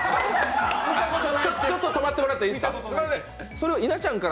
ちょっと止まってもらっていいですか？